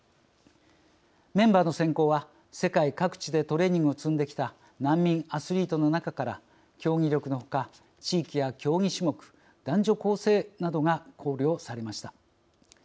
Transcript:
メンバーの選考は世界各地でトレーニングを積んできた難民アスリートの中から競技力のほか地域や競技種目男女構成などが考慮されました。